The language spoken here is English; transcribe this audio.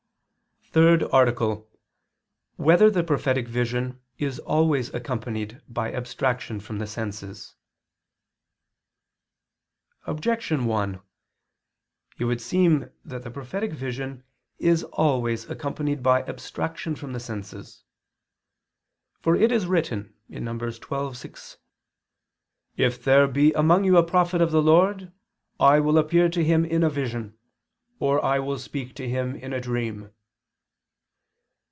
_______________________ THIRD ARTICLE [II II, Q. 173, Art. 3] Whether the Prophetic Vision Is Always Accompanied by Abstraction from the Senses? Objection 1: It would seem that the prophetic vision is always accompanied by abstraction from the senses. For it is written (Num. 12:6): "If there be among you a prophet of the Lord, I will appear to him in a vision, or I will speak to him in a dream."